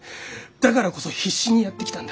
だからこそ必死にやってきたんだ。